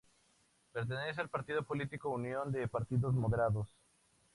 Pertenece al partido político Unión de Partidos Moderados.